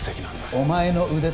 お前の腕と